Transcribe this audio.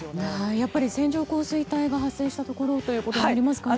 やっぱり線状降水帯が発生したところになりますかね。